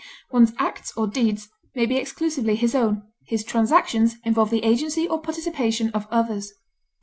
One's acts or deeds may be exclusively his own; his transactions involve the agency or participation of others.